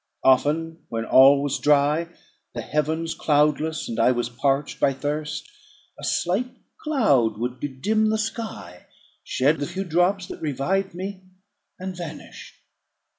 Often, when all was dry, the heavens cloudless, and I was parched by thirst, a slight cloud would bedim the sky, shed the few drops that revived me, and vanish.